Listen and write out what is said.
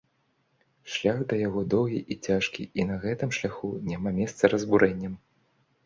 Шлях да яго доўгі і цяжкі, і на гэтым шляху няма месца разбурэнням.